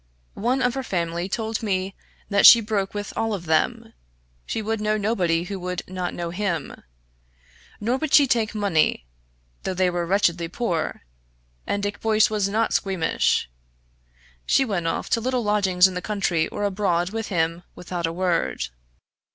One of her family told me that she broke with all of them. She would know nobody who would not know him. Nor would she take money, though they were wretchedly poor; and Dick Boyce was not squeamish. She went off to little lodgings in the country or abroad with him without a word.